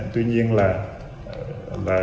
tuy nhiên là